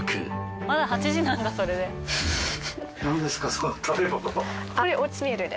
まだ８時なんだそれで。